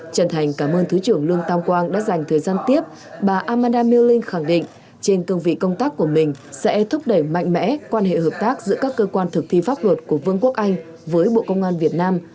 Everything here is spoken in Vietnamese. trần thành cảm ơn thứ trưởng lương tam quang đã dành thời gian tiếp bà amada miêu linh khẳng định trên cương vị công tác của mình sẽ thúc đẩy mạnh mẽ quan hệ hợp tác giữa các cơ quan thực thi pháp luật của vương quốc anh với bộ công an việt nam